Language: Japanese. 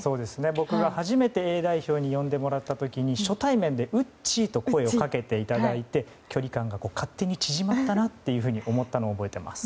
僕が初めてＡ代表に呼んでもらった時にウッチーと声をかけていただいて距離感が勝手に縮まったなというふうに思ったのを覚えています。